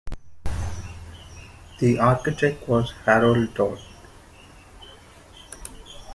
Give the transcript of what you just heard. The architect was Harold Dod.